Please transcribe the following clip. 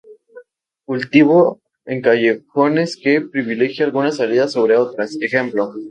Cultivo en callejones; que privilegia algunas salidas sobre otras, Ej.